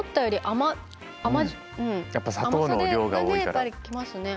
甘さがやっぱり来ますね。